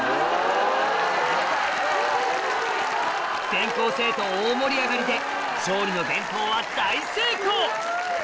全校生徒大盛り上がりで『勝利の伝統』は大成功！